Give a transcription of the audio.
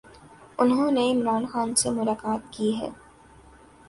انھوں نے عمران خان سے ملاقات کی ہے۔